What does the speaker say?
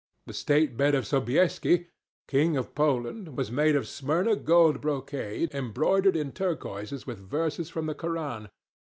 The state bed of Sobieski, King of Poland, was made of Smyrna gold brocade embroidered in turquoises with verses from the Koran.